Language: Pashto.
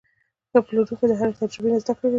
ښه پلورونکی د هرې تجربې نه زده کړه کوي.